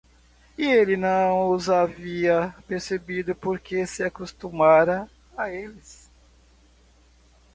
E ele não os havia percebido porque se acostumara a eles.